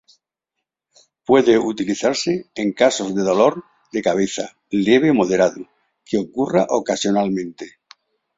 Pueden utilizarse en casos de dolor de cabeza leve o moderado que ocurra ocasionalmente.